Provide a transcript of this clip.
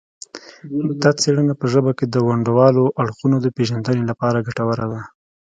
دا څیړنه په ژبه کې د ونډوالو اړخونو د پیژندنې لپاره ګټوره ده